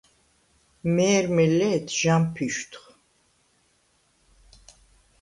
მე̄რმე ლე̄თ ჟამფიშვდხ.